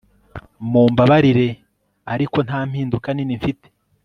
mumbabarire, ariko nta mpinduka nini mfite